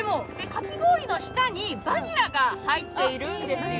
かき氷の下にバニラが入ってるんですよ。